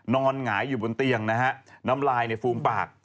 หงายอยู่บนเตียงนะฮะน้ำลายในฟูมปาก